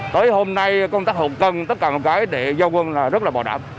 tới hôm nay công tác hậu cân tất cả một cái để giao quân là rất là bảo đảm